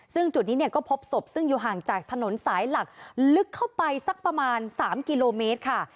ซึ่งจุดนี้เนี่ยก็พบศพซึ่งอยู่ห่างจากถนนสายหลักลึกเข้าไปสักประมาณ๓กิโลเมตรค่ะ